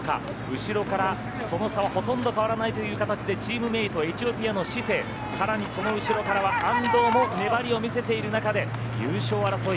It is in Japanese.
後ろからその差をほとんど変わらないという形でチームメートエチオピアのシセイさらにその後ろからは安藤も粘りを見せている中で優勝争い